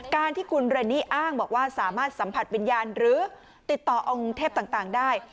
การที่คุณเรนนี่อ้างบอกว่าสามารถสัมผัสวิญญาณหรือติดต่อองค์เทพต่างได้